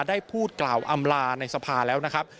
ได้พูดกล่าวอำลาในสภาแล้วนะครับ